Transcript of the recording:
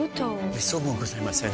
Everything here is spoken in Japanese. めっそうもございません。